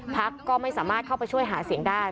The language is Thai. พักก็ไม่สามารถเข้าไปช่วยหาเสียงได้